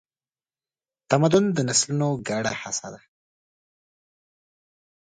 تمدن د نسلونو ګډه هڅه ده.